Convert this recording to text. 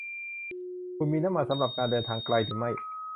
คุณมีน้ำมันสำหรับการเดินทางไกลหรือไม่